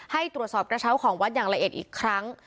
ให้ตรวจสอบกระเช้าของวัดอย่างละเอียดอีกครั้ง